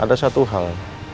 ada satu hal